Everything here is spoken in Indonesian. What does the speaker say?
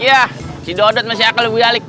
iya si dodot masih akal lebih alik